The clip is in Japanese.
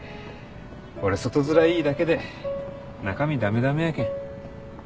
俺外づらいいだけで中身駄目駄目やけん。